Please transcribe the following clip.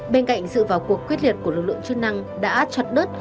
bên cạnh sự vào cuộc quyết liệt của lực lượng chức năng đã chọt đất